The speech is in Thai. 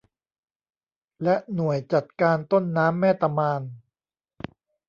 และหน่วยจัดการต้นน้ำแม่ตะมาน